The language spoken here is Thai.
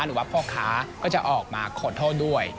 หรือว่าพ่อค้าก็จะออกมาขอโทษด้วย